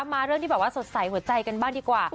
มาเรื่องที่แบบว่าสดใสหัวใจกันบ้างดีกว่า